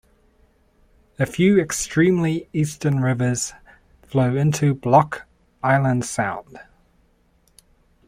A few extremely eastern rivers flow into Block Island Sound.